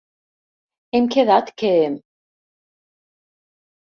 Hem quedat que...